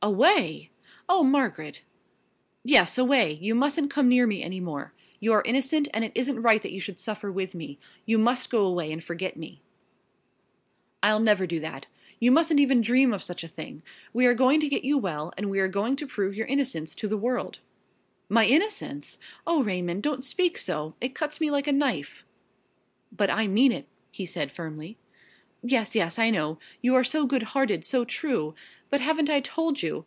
"Away? Oh, Margaret!" "Yes, away you mustn't come near me any more. You are innocent and it isn't right that you should suffer with me. You must go away and forget me." "I'll never do that. You mustn't even dream of such a thing. We are going to get you well, and we are going to prove your innocence to the world." "My innocence? Oh, Raymond, don't speak so it cuts me like a knife!" "But I mean it," he said firmly. "Yes, yes, I know you are so good hearted, so true! But haven't I told you?